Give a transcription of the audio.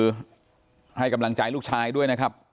สำหรับพ่อแม่ลุงพลนะครับลุงพลนี่ก็กลั้นน้ำตาไม่อยู่ครับวันนี้